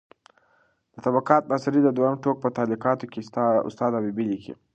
د طبقات ناصري د دویم ټوک په تعلیقاتو کې استاد حبیبي لیکي: